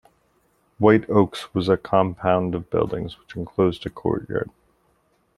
White Oaks was a compound of buildings which enclosed a courtyard.